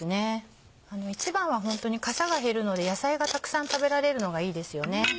一番はかさが減るので野菜がたくさん食べられるのがいいですよね。